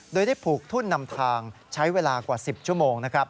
โดยได้ผูกทุ่นนำทางใช้เวลากว่า๑๐ชั่วโมงนะครับ